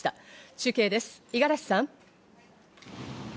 中継です、五十嵐さん。